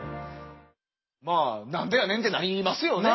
まあ何でやねんってなりますよね。